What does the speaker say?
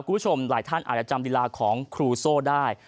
คุณผู้ชมหลายท่านอาจจะจำลีลาของครูโซ่ได้